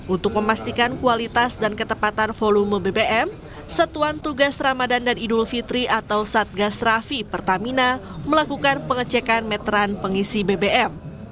untuk memastikan kualitas dan ketepatan volume bbm satuan tugas ramadan dan idul fitri atau satgas rafi pertamina melakukan pengecekan meteran pengisi bbm